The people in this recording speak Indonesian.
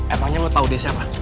emangnya lo tau deh siapa